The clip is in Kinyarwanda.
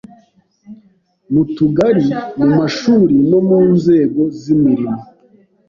Mu tugari, mu mashuri no mu nzego z’imirimo.